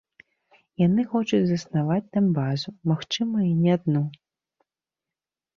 Яны хочуць заснаваць там базу, магчыма і не адну.